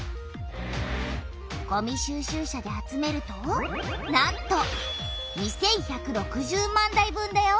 ごみ収集車で集めるとなんと２１６０万台分だよ！